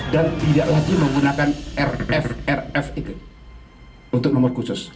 dan tidak lagi menggunakan rf rf itu untuk nomor khusus